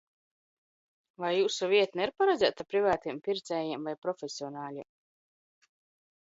Vai jūsu vietne ir paredzēta privātiem pircējiem vai profesionāļiem?